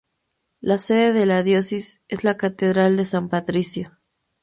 La sede de la Diócesis es la Catedral de San Patricio.